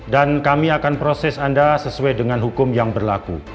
dan kami akan proses anda sesuai dengan hukum yang berlaku